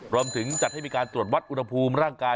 จัดให้มีการตรวจวัดอุณหภูมิร่างกาย